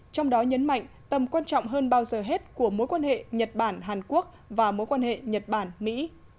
trong đó nhấn mạnh tầm quan trọng hơn bao giờ hết của mối quan hệ nhật bản hàn quốc và mối quan hệ nhật bản mỹ